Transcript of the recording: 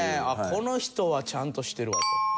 この人はちゃんとしてるわと。